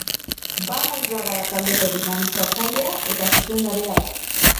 Banaiz Bagara taldeko dinamizatzailea eta zuzendaria da.